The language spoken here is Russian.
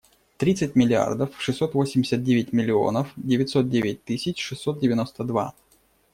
Тридцать миллиардов шестьсот восемьдесят девять миллионов девятьсот девять тысяч шестьсот девяносто два.